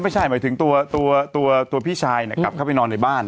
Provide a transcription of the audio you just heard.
ไม่ใช่หมายถึงตัวพี่ชายกลับเข้าไปนอนในบ้าน